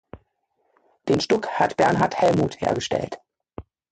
Den Stuck hat Bernhard Hellmuth hergestellt.